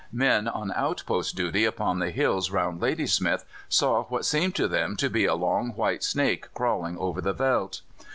Men on outpost duty upon the hills round Ladysmith saw what seemed to them to be a long white snake crawling over the veldt.